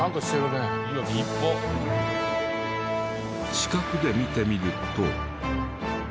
近くで見てみると。